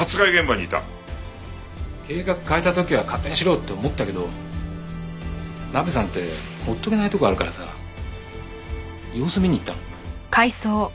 計画変えた時は勝手にしろって思ったけどナベさんってほっとけないとこあるからさ様子見に行ったの。